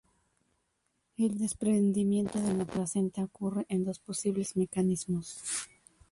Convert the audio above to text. El desprendimiento de la placenta ocurre en dos posibles mecanismos.